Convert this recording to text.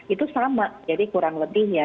itu sama jadi kurang lebih ya